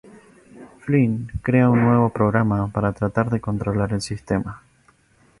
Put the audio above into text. Flynn crea un nuevo programa para tratar de controlar el sistema.